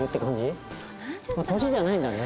年じゃないんだね。